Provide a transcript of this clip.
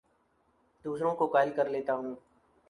دوسروں کو قائل کر لیتا ہوں